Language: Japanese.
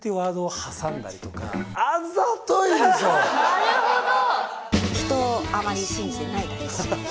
なるほど！